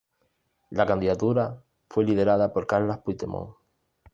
La candidatura fue liderada por Carles Puigdemont.